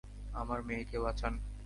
আমার মেয়েকে বাঁচান।